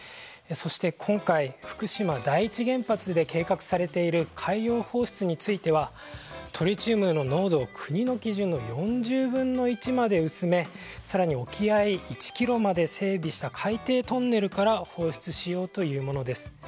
そして今回、福島第一原発で計画されている海洋放出についてはトリチウムの濃度を国の基準の４０分の１まで薄め更に、沖合１ｋｍまで整備した海底トンネルから放出しようというものです。